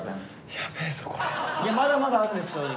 いやまだまだあるんです正直。